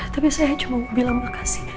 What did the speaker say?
tapi saya cuma mau bilang terima kasih